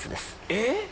えっ？